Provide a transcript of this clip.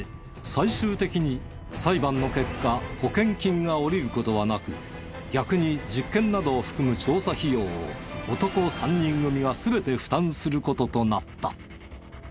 最終的に裁判の結果保険金が下りる事はなく逆に実験などを含む調査費用を男３人組が全て負担する事となった。